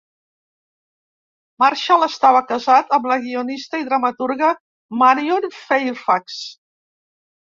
Marshall estava casat amb la guionista i dramaturga Marion Fairfax.